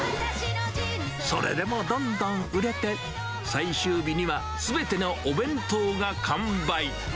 それでもどんどん売れて、最終日にはすべてのお弁当が完売。